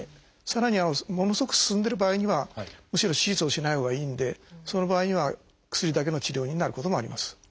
さらにはものすごく進んでる場合にはむしろ手術をしないほうがいいんでその場合には薬だけの治療になることもあります。